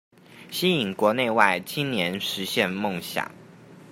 吸引國內外青年實現夢想